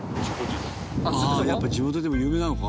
やっぱ地元でも有名なのか？